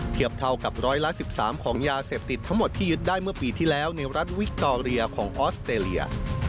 เท่ากับร้อยละ๑๓ของยาเสพติดทั้งหมดที่ยึดได้เมื่อปีที่แล้วในรัฐวิคตอเรียของออสเตรเลีย